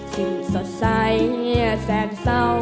สิ่งสดใสแสนเศร้า